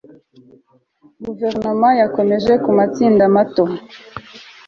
guverinoma yakomereje ku matsinda mato